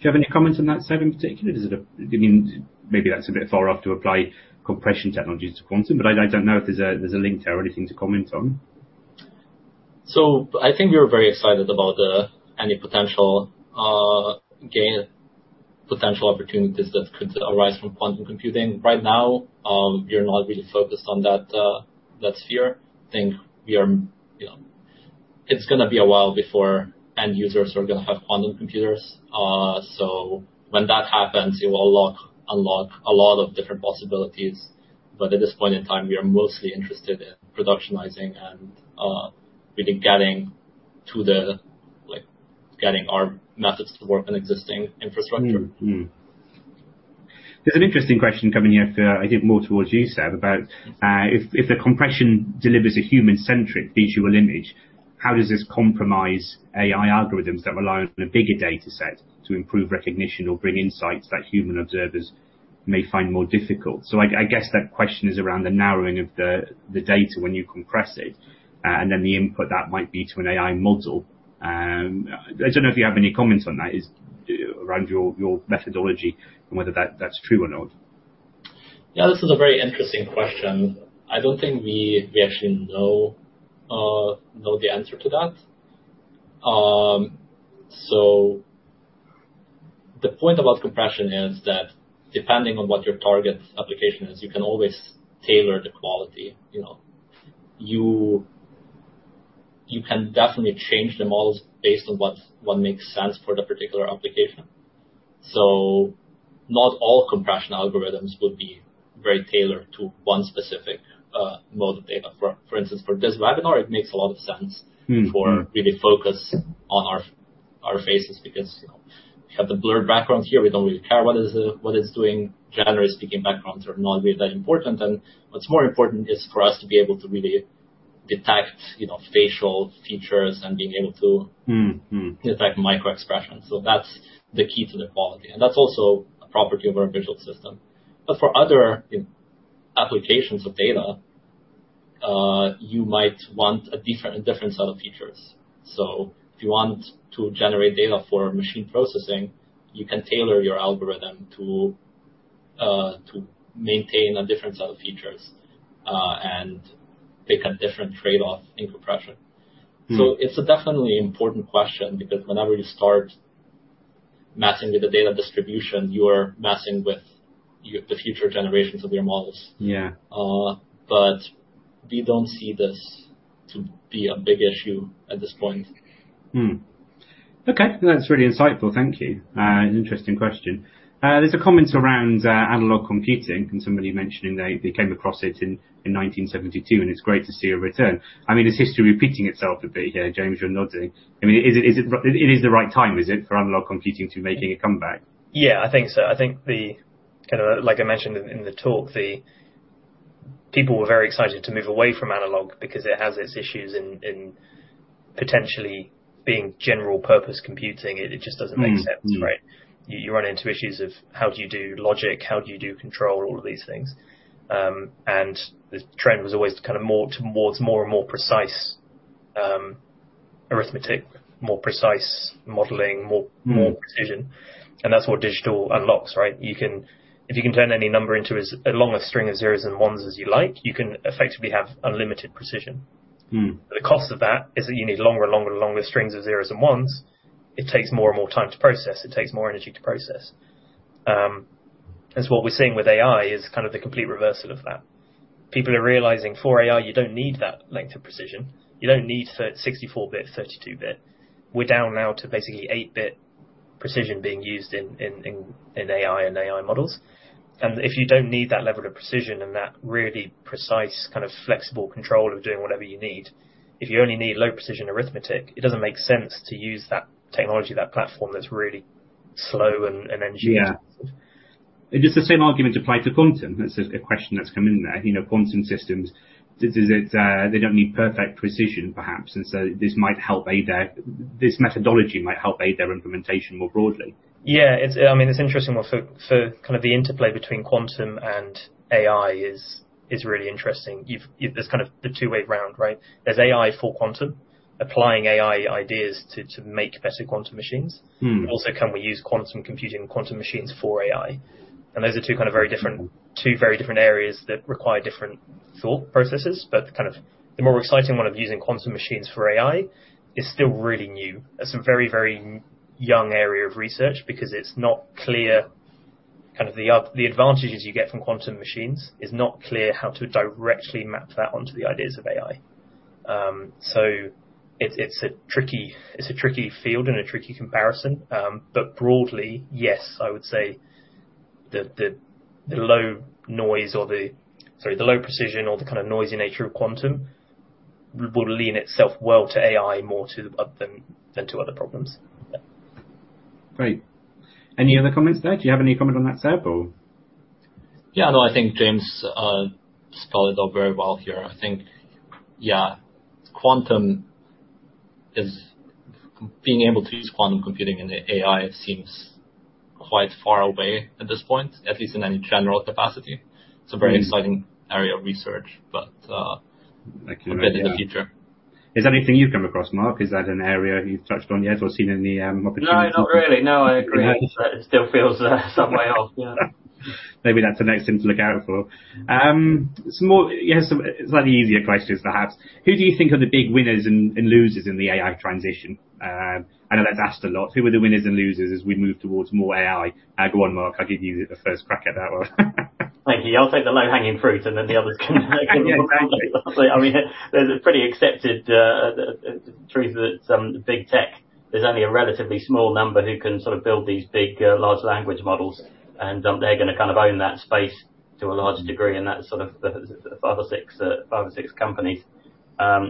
you have any comments on that, Seb, in particular? Does it have... I mean, maybe that's a bit far off to apply compression technologies to quantum, but I, I don't know if there's a, there's a link there or anything to comment on. So I think we're very excited about any potential gain, potential opportunities that could arise from quantum computing. Right now, we are not really focused on that sphere. I think we are. It's gonna be a while before end users are gonna have quantum computers. So when that happens, it will unlock a lot of different possibilities. But at this point in time, we are mostly interested in productionizing and really getting to the, like, getting our methods to work on existing infrastructure. Mm-hmm. Mm. There's an interesting question coming here for, I think, more towards you, Seb, about, if the compression delivers a human-centric visual image, how does this compromise AI algorithms that rely on a bigger data set to improve recognition or bring insights that human observers may find more difficult? I guess that question is around the narrowing of the data when you compress it, and then the input that might be to an AI model. I don't know if you have any comments on that, is around your methodology and whether that's true or not. Yeah, this is a very interesting question. I don't think we actually know the answer to that. So the point about compression is that depending on what your target application is, you can always tailor the quality, you know. You can definitely change the models based on what makes sense for the particular application. So not all compression algorithms would be very tailored to one specific mode of data. For instance, for this webinar, it makes a lot of sense- Mm-hmm To really focus on our faces because, you know, we have the blurred background here. We don't really care what it's doing. Generally speaking, backgrounds are not really that important, and what's more important is for us to be able to really detect, you know, facial features and being able to- Mm, mm Detect micro expressions. So that's the key to the quality, and that's also a property of our visual system. But for other applications of data, you might want a different set of features. So if you want to generate data for machine processing, you can tailor your algorithm to maintain a different set of features, and pick a different trade-off in compression. Mm. It's a definitely important question because whenever you start messing with the data distribution, you are messing with the future generations of your models. Yeah. We don't see this to be a big issue at this point. Hmm. Okay, that's really insightful. Thank you. An interesting question. There's a comment around analog computing, and somebody mentioning they came across it in 1972, and it's great to see a return. I mean, is history repeating itself a bit here? James, you're nodding. I mean, is it... It is the right time, is it, for analog computing to making a comeback? Yeah, I think so. I think the kind of, like I mentioned in the talk, the people were very excited to move away from analog because it has its issues in potentially being general-purpose computing. It just doesn't make sense, right? Mm-hmm. You run into issues of how do you do logic, how do you do control, all of these things. And the trend was always to kind of more towards more and more precise arithmetic, more precise modeling, more- Mm More precision. That's what digital unlocks, right? You can, if you can turn any number into as long a string of zeros and ones as you like, you can effectively have unlimited precision. Mm. The cost of that is that you need longer and longer and longer strings of zeros and ones. It takes more and more time to process. It takes more energy to process. And so what we're seeing with AI is kind of the complete reversal of that. People are realizing, for AI, you don't need that length of precision. You don't need for 64-bit, 32-bit. We're down now to basically 8-bit precision being used in AI and AI models. And if you don't need that level of precision and that really precise kind of flexible control of doing whatever you need, if you only need low precision arithmetic, it doesn't make sense to use that technology, that platform, that's really slow and energy intensive. Yeah. Does the same argument apply to quantum? That's a question that's come in there. You know, quantum systems, does it... They don't need perfect precision, perhaps, and so this might help aid their... This methodology might help aid their implementation more broadly. Yeah, I mean, it's interesting. Well, for kind of the interplay between quantum and AI is really interesting. There's kind of the two-way round, right? There's AI for quantum, applying AI ideas to make better quantum machines. Mm. Also, can we use quantum computing, quantum machines for AI? And those are two very different areas that require different thought processes, but kind of the more exciting one of using quantum machines for AI is still really new. It's a very, very young area of research because it's not clear, kind of, the advantages you get from quantum machines is not clear how to directly map that onto the ideas of AI. So it's a tricky field and a tricky comparison. But broadly, yes, I would say the low noise or the... Sorry, the low precision or the kind of noisy nature of quantum would lend itself well to AI more to than to other problems. Yeah. Great. Any other comments there? Do you have any comment on that, Seb, or? Yeah, no, I think James spelled it out very well here. I think, yeah, quantum is... being able to use quantum computing in AI, it seems quite far away at this point, at least in any general capacity. Mm. It's a very exciting area of research, but, Thank you... a bit in the future. Is that anything you've come across, Mark? Is that an area you've touched on yet or seen any opportunities? No, not really. No, I agree. It still feels some way off. Yeah. Maybe that's the next thing to look out for. Yes, some slightly easier questions, perhaps: Who do you think are the big winners and, and losers in the AI transition? I know that's asked a lot. Who are the winners and losers as we move towards more AI? I'll go on, Mark, I'll give you the first crack at that one. Thank you. I'll take the low-hanging fruit, and then the others can. I mean, there's a pretty accepted truth that some Big Tech, there's only a relatively small number who can sort of build these big, large language models, and they're gonna kind of own that space to a large degree, and that's sort of the five or six, five or six companies. I,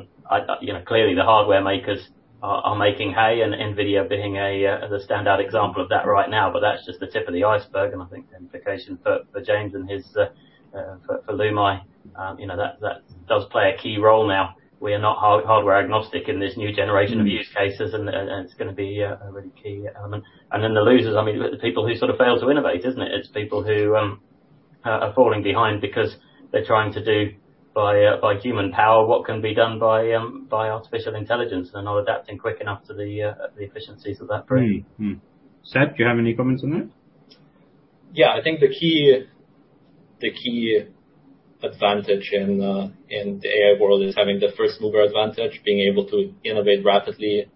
you know, clearly the hardware makers are making hay, and NVIDIA being the standout example of that right now. That's just the tip of the iceberg, and I think the implication for James and his, for Lumai, you know, that does play a key role now. We are not hardware agnostic in this new generation of use cases, and it's gonna be a really key element. And then the losers, I mean, the people who sort of fail to innovate, isn't it? It's people who are falling behind because they're trying to do by by human power, what can be done by by artificial intelligence and not adapting quick enough to the the efficiencies of that frame. Mm-hmm. Seb, do you have any comments on that? Yeah, I think the key, the key advantage in the, in the AI world is having the first mover advantage, being able to innovate rapidly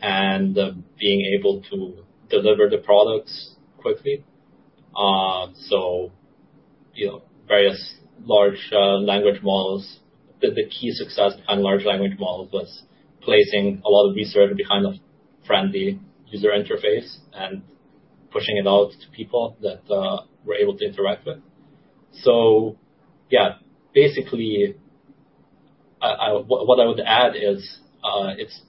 and, being able to deliver the products quickly. So, you know, various large language models. The key success behind large language models was placing a lot of research behind a friendly user interface and pushing it out to people that were able to interact with. So yeah, basically, I... What I would add is, it's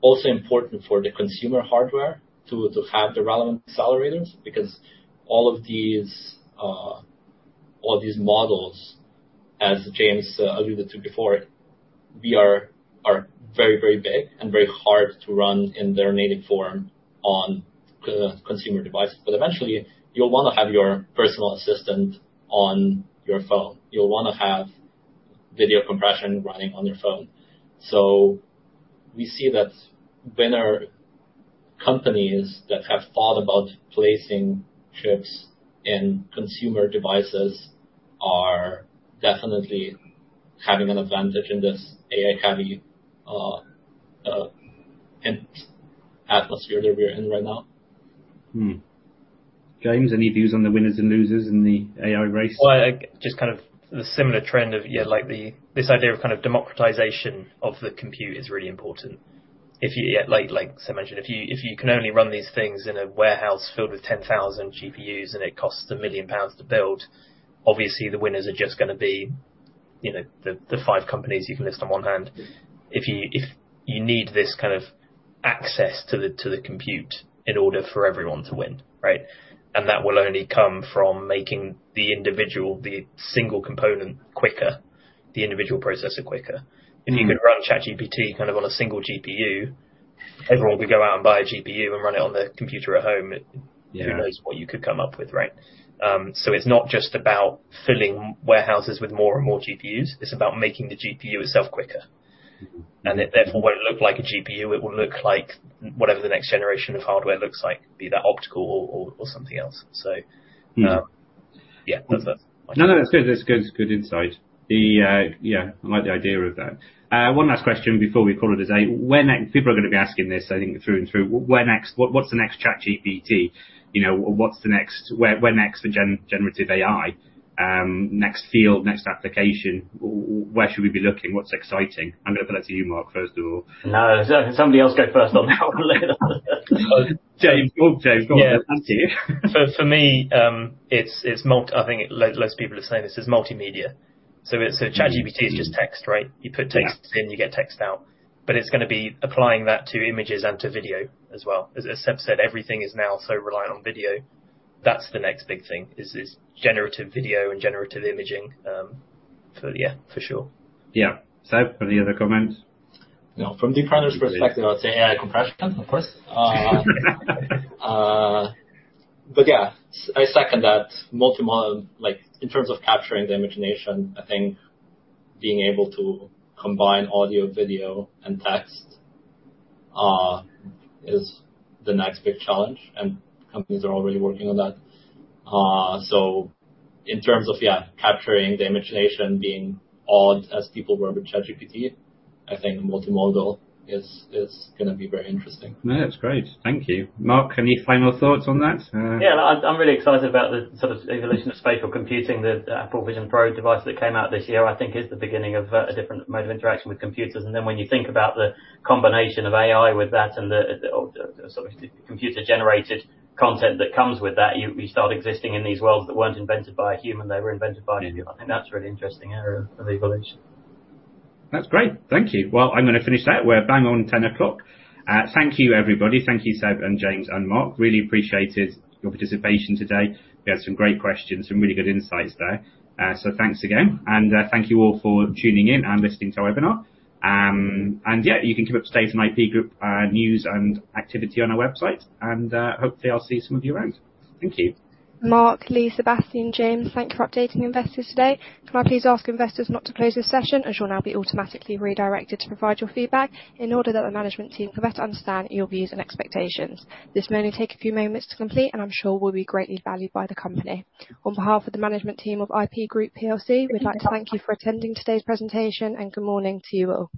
also important for the consumer hardware to have the relevant accelerators, because all of these, all these models, as James alluded to before, we are very, very big and very hard to run in their native form on consumer devices. But eventually, you'll wanna have your personal assistant on your phone. You'll wanna have video compression running on your phone. So we see that vendor companies that have thought about placing chips in consumer devices are definitely having an advantage in this AI-heavy intense atmosphere that we're in right now. Hmm. James, any views on the winners and losers in the AI race? Well, I just kind of the similar trend of, yeah, like the - this idea of kind of democratization of the compute is really important. If you, yeah, like, like Seb mentioned, if you, if you can only run these things in a warehouse filled with 10,000 GPUs and it costs 1 million pounds to build, obviously the winners are just gonna be, you know, the, the five companies you can list on one hand. If you, if you need this kind of access to the, to the compute in order for everyone to win, right? And that will only come from making the individual, the single component quicker, the individual processor quicker. Mm-hmm. If you could run ChatGPT, kind of, on a single GPU, everyone could go out and buy a GPU and run it on their computer at home. Yeah. Who knows what you could come up with, right? So it's not just about filling warehouses with more and more GPUs, it's about making the GPU itself quicker. Mm-hmm. It therefore won't look like a GPU, it will look like whatever the next generation of hardware looks like, be that optical or something else. So- Hmm. Yeah, that's that. No, no, that's good. That's good, good insight. Yeah, I like the idea of that. One last question before we call it a day. Where next, people are gonna be asking this, I think, through and through, where next? What, what's the next ChatGPT? You know, what's the next... Where, where next for generative AI, next field, next application, where should we be looking? What's exciting? I'm gonna put that to you, Mark, first of all. No, somebody else go first on that one. James. Go, James, go. Yeah. After you. So for me, it's multimedia. I think lots of people are saying this. So, ChatGPT is just text, right? Yeah. You put text in, you get text out, but it's gonna be applying that to images and to video as well. As Seb said, everything is now so reliant on video. That's the next big thing, is this generative video and generative imaging. So yeah, for sure. Yeah. Seb, any other comments? You know, from Deep Render's perspective, I'd say AI compression, of course. But yeah, I second that, multimodal, like, in terms of capturing the imagination, I think being able to combine audio, video, and text is the next big challenge, and companies are already working on that. So in terms of, yeah, capturing the imagination, being odd as people were with ChatGPT, I think multimodal is, is gonna be very interesting. No, it's great. Thank you. Mark, any final thoughts on that? Yeah, I'm really excited about the sort of evolution of spatial computing. The Apple Vision Pro device that came out this year, I think, is the beginning of a different mode of interaction with computers. And then when you think about the combination of AI with that and the sort of computer-generated content that comes with that, we start existing in these worlds that weren't invented by a human, they were invented by an AI, and that's a really interesting area of evolution. That's great. Thank you. Well, I'm gonna finish that. We're bang on 10 o'clock. Thank you, everybody. Thank you, Seb and James and Mark. Really appreciated your participation today. We had some great questions, some really good insights there. So thanks again, and thank you all for tuning in and listening to our webinar. And yeah, you can keep up to date on IP Group news and activity on our website, and hopefully, I'll see some of you around. Thank you. Mark, Lee, Sebastian, James, thank you for updating investors today. Can I please ask investors not to close this session, as you'll now be automatically redirected to provide your feedback in order that the management team can better understand your views and expectations? This may only take a few moments to complete, and I'm sure will be greatly valued by the company. On behalf of the management team of IP Group PLC, we'd like to thank you for attending today's presentation, and good morning to you all.